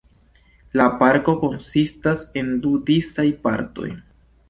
La parko konsistas el du disaj partoj.